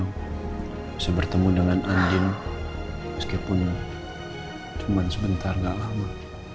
bisa bertemu dengan andi meskipun cuma sebentar tidak lama